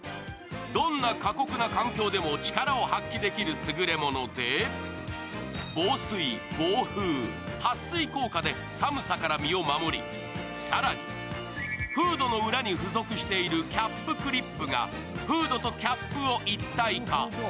どんな過酷な環境でも力を発揮できる優れもので防水、暴風、はっ水効果で寒さから身を守り更にフードの裏に付属しているキャップクリップがフードとキャップを一体化。